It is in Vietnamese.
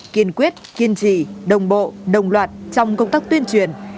kiên quyết kiên trì đồng bộ đồng loạt trong công tác tuyên truyền